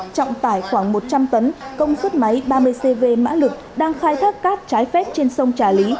trọng tải khoảng một trăm linh tấn công suất máy ba mươi cv mã lực đang khai thác cát trái phép trên sông trà lý